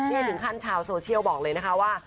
ที่ถึงขั้นพิษเทลบอกเลยนะคะว่า